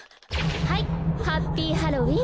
はいハッピーハロウィン！